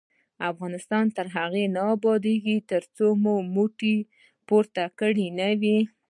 افغانستان تر هغو نه ابادیږي، ترڅو مو مټې راپورته نه کړي.